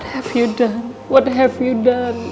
apa yang kamu lakukan